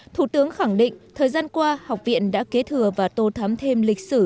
thủ tướng khẳng định thời gian qua học viện đã kế thừa và tô thắm thêm lịch sử